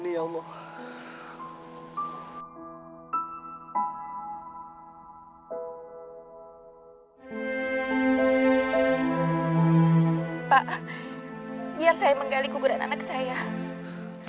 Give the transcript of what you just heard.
umm ustaza yousuf jangan lupa yang ucapkan